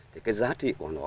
thì cái giá trị của nó